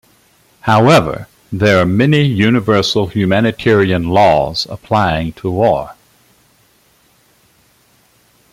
However, there are many universal humanitarian laws applying to war.